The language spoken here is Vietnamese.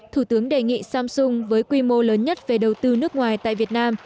thủ tướng đề nghị samsung với quy mô lớn nhất về đầu tư nước ngoài tại việt nam